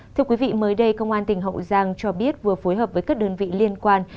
thưa quý vị mới đây công an tỉnh hậu giang cho biết vừa phối hợp với các đơn vị liên quan